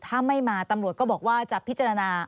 ถ้าไม่มาตำรวจก็บอกว่าจะพิจารณา